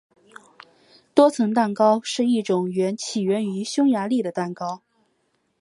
多层蛋糕是一种起源于匈牙利的蛋糕。